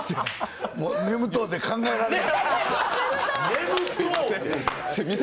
眠とうて考えられない。